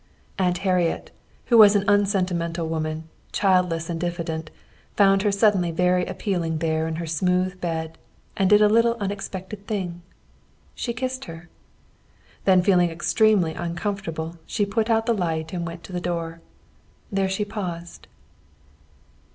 Aunt Harriet, who was an unsentimental woman, childless and diffident, found her suddenly very appealing there in her smooth bed, and did an unexpected thing. She kissed her. Then feeling extremely uncomfortable she put out the light and went to the door. There she paused.